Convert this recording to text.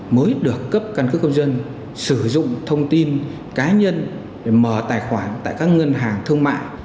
mới được cấp căn cước công dân sử dụng thông tin cá nhân để mở tài khoản tại các ngân hàng thương mại